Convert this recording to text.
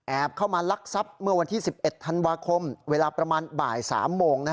แอบเข้ามาลักทรับเมื่อวันที่๑๑ธันวาคมเวลาประมาณบ่ายสามโมงนะฮะ